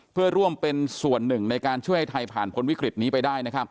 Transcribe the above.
เพื่อร่วมเป็นส่วนหนึ่งในการช่วยให้ไทยผ่านพ้นวิกฤตนี้ไปได้นะครับ